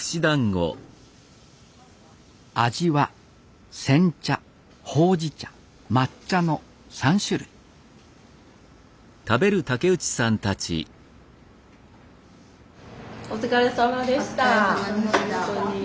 味は煎茶ほうじ茶抹茶の３種類お疲れさまでした本当に。